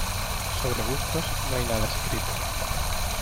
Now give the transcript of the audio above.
Sobre gustos no hay nada escrito.